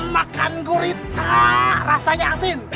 makan gurita rasanya asin